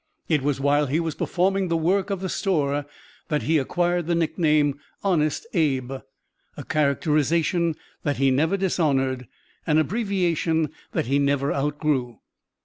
It was while he was performing the work of the store that he acquired the nickname, 'Honest Abe' a characterization that he never dishonored, an abbreviation that he never outgrew.